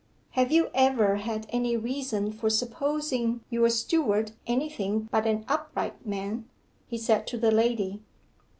'Have you ever had any reason for supposing your steward anything but an upright man?' he said to the lady.